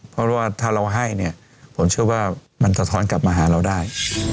เพราะว่าถ้าเราให้เนี่ยผมเชื่อว่ามันสะท้อนกลับมาหาเราได้